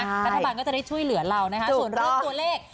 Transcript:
รัฐบาลก็จะได้ช่วยเหลือเรานะคะส่วนเรื่องตัวเลข